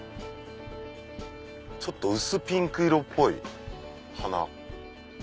ちょっと薄ピンク色っぽい花。